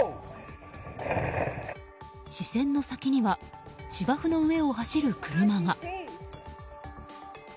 視線の先には芝生の上を走る車が。